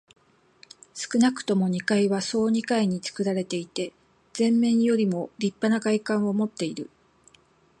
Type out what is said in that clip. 少なくとも二階は総二階につくられていて、前面よりもりっぱな外観をもっている。